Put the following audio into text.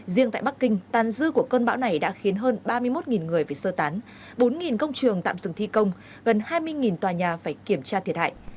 riêng tại bắc kinh tan dư của cơn bão này đã khiến hơn ba mươi một người phải sơ tán bốn công trường tạm dừng thi công gần hai mươi tòa nhà phải kiểm tra thiệt hại